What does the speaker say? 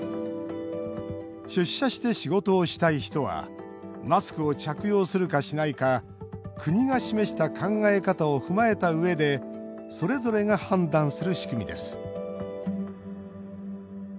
出社して仕事をしたい人はマスクを着用するかしないか国が示した考え方を踏まえたうえでそれぞれが判断する仕組みです。